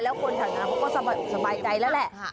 และคนทำวันสะใจแล้วแหละ